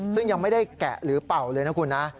ซึ่งยังไม่ได้แกะหรือเป่าเลยนะคุณนะ